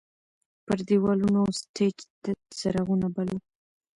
پر دیوالونو او سټیج تت څراغونه بل وو.